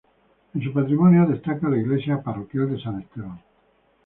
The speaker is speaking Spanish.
En su patrimonio destaca la iglesia parroquial de San Esteban.